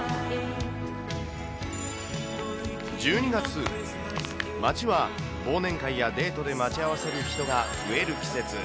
１２月、街は忘年会やデートで待ち合わせる人が増える季節。